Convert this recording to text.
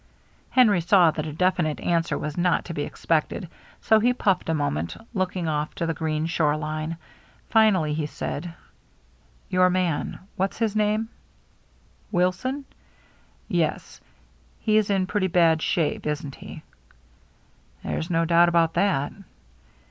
Henry saw that a definite answer was not to be expected, so he puflTed a moment, looking 382 THE MERRT ANNE off to the green shore line. Finally he said, " Your man, — what's his name ?" "Wilson?" " Yes, he's in pretty bad shape, isn't he ?"" There's no doubt about that."